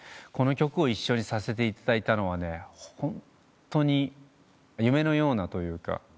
この曲を一緒にさせていただいたのはホントに夢のようなというか。